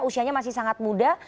usianya masih sangat muda